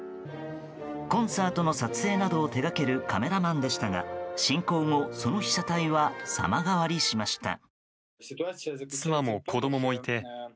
コンサートの撮影などを手掛けるカメラマンでしたが侵攻後その被写体は様変わりしました。